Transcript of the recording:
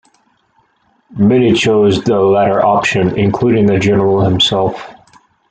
Many chose the latter option, including the general himself.